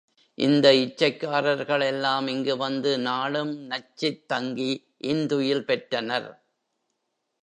இந்த இச்சைக்காரர்கள் எல்லாம் இங்கு வந்து நாளும் நச்சித் தங்கி இன்துயில் பெற்றனர்.